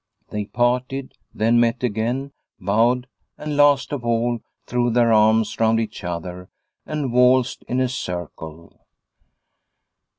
They parted, then met again, bowed, and last of all threw their arms round each other and waltzed in a circle.